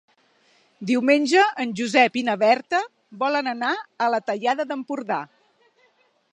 Diumenge en Josep i na Berta volen anar a la Tallada d'Empordà.